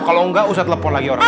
kalau enggak ustadz lepon lagi orang